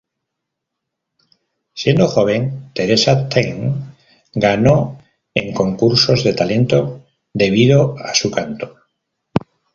Siendo joven, Teresa Teng ganó en concursos de talento debido a su canto.